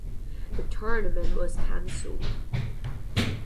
The tournament was cancelled.